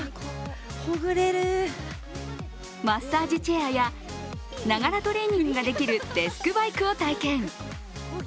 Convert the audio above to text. マッサージチェアや、ながらトレーニングができるデスクバイクを体験。